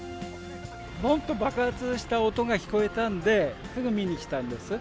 ぼんと爆発した音が聞こえたんで、すぐ見に来たんです。